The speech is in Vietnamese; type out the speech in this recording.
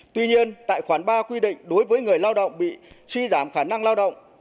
tuy nhiên tại khoản ba quy định đối với người lao động bị suy giảm khả năng lao động